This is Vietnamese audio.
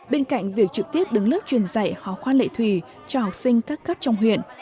bên cạnh việc trực tiếp đứng lớp truyền dạy hò khoa lệ thủy cho học sinh các cấp trong huyện